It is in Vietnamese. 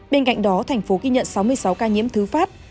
bên cạnh đó thành phố ghi nhận sáu mươi sáu ca nhiễm thứ phát